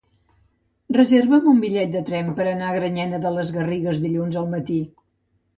Reserva'm un bitllet de tren per anar a Granyena de les Garrigues dilluns al matí.